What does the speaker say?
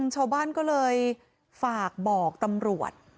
ชาวบ้านก็เลยฝากบอกตำรวจ